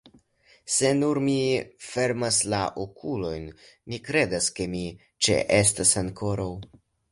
Se nur mi fermas la okulojn, mi kredas, ke mi ĉeestas ankoraŭ.